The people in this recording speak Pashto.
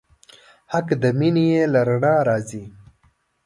حق د مینې له رڼا راځي.